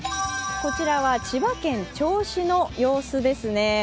こちらは千葉県銚子の様子ですね。